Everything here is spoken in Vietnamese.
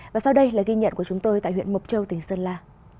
và sau đây là ghi nhận của chúng tôi tại huyện mộc châu tỉnh sơn la